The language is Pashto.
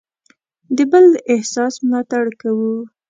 د بل د احساس ملاتړ کوو.